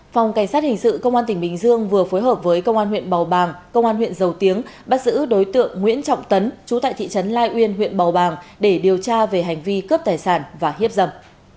phòng cảnh sát hình sự công an tỉnh bình dương vừa phối hợp với công an huyện bầu bàng công an huyện dầu tiếng bắt giữ đối tượng nguyễn trọng tấn chú tại thị trấn lai uyên huyện bầu bàng để điều tra về hành vi cướp tài sản và hiếp dâm